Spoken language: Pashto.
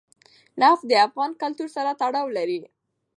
نفت د افغان کلتور سره تړاو لري.